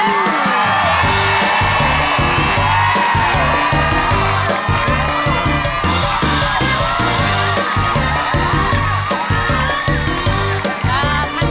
สวัสดีครับ